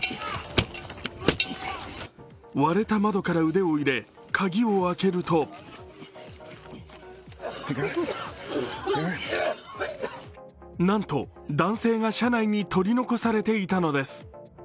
割れた窓から腕を入れ、鍵を開けるとなんと、男性が車内に取り残されていたのです。